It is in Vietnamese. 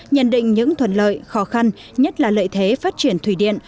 nhận định những thuận lợi khó khăn nhất là lợi thế phát triển thủy điện